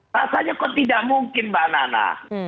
rasanya kok tidak mungkin mbak nana